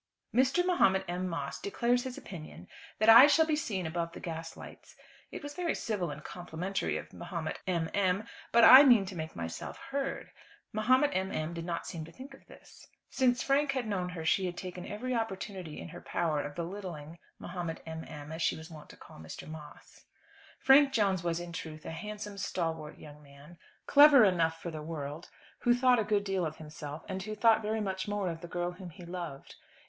"Mr. Mahomet M. Moss declares his opinion that I shall be seen above the gaslights. It was very civil and complimentary of Mahomet M. M. But I mean to make myself heard. Mahomet M. M. did not seem to think of this." Since Frank had known her she had taken every opportunity in her power of belittling Mahomet M. M., as she was wont to call Mr. Moss. Frank Jones was, in truth, a handsome stalwart young man, clever enough for the world, who thought a good deal of himself, and who thought very much more of the girl whom he loved.